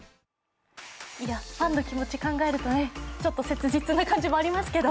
ファンの気持ち考えるとちょっと切実な感じもありますけど。